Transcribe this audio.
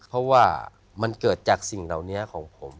เพราะว่ามันเกิดจากสิ่งเหล่านี้ของผม